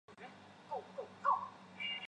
乳香酒被认为是马其顿的国酒。